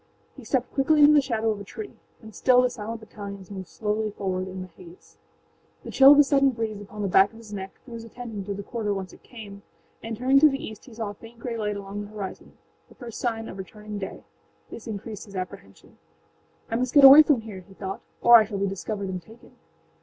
He stepped quickly into the shadow of a tree. And still the silent battalions moved slowly forward in the haze. The chill of a sudden breeze upon the back of his neck drew his attention to the quarter whence it came, and turning to the east he saw a faint gray light along the horizonâthe first sign of returning day. This increased his apprehension. âI must get away from here,â he thought, âor I shall be discovered and taken.